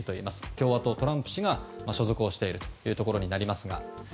共和党、トランプ氏が所属をしているところですが。